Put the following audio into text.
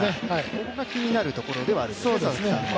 ここが気になるところでもあるんですね、佐々木さんも。